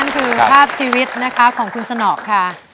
นั้นคือภาพชีวิตของคุณสนอกค่ะ